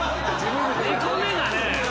２個目がね。